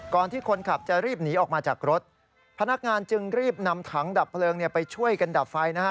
ที่คนขับจะรีบหนีออกมาจากรถพนักงานจึงรีบนำถังดับเพลิงไปช่วยกันดับไฟนะฮะ